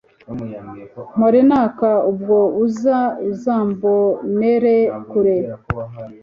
mpore naka ubwo uzaza uzambonere kure